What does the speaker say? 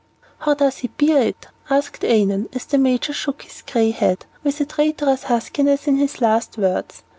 "How does he bear it?" asked Annon, as the major shook his gray head, with a traitorous huskiness in his last words.